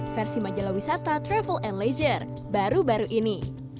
versi majalah wisata travel and leisure baru baru ini